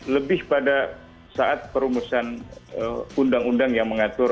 lebih pada saat perumusan undang undang yang mengatur